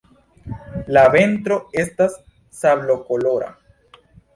La ventro estas sablokolora.